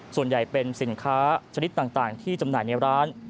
ส่วนใหญ่เป็นสินค้าชนิดต่างที่จำหน่ายในร้าน